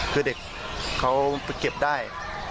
คือเด็กเขาเก็บได้